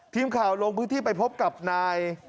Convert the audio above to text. ทีมข่าวลงพื้นที่ไปพบกับนาย